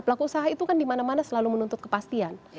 pelaku usaha itu kan dimana mana selalu menuntut kepastian